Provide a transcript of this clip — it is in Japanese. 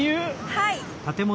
はい！